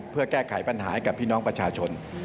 เพื่อแก้ไขปัญหาให้กับพี่น้องประชาชน